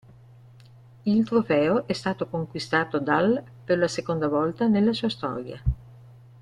Il trofeo è stato conquistato dall' per la seconda volta nella sua storia.